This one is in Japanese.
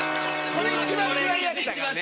これ一番つらいやつだからね。